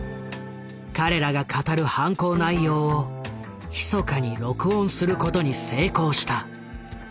彼らが語る犯行内容をひそかに録音することに成功した。